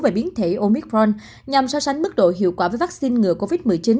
về biến thể omicron nhằm so sánh mức độ hiệu quả với vaccine ngừa covid một mươi chín